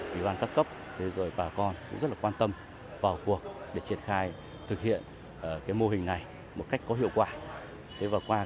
ủy ban các cấp rồi bà con cũng rất là quan tâm vào cuộc để triển khai thực hiện mô hình này một cách có hiệu quả